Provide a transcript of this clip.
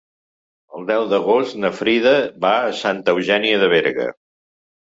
El deu d'agost na Frida va a Santa Eugènia de Berga.